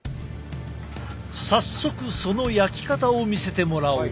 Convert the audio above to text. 早速その焼き方を見せてもらおう。